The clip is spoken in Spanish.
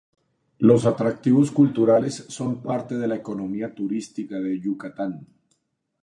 Los atractivos culturales son parte de la economía turística de Yucatán.